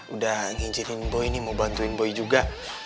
udah nginjinin boy nih mau bantuin boy juga